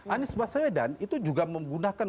anies baswedan itu juga menggunakan